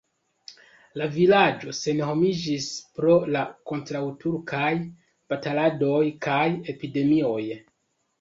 La vilaĝo senhomiĝis pro la kontraŭturkaj bataladoj kaj epidemioj.